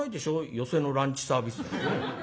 寄席のランチサービスなんてね。